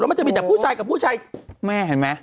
มันจะมีแต่ผู้ชายกับผู้ชายแม่เห็นไหม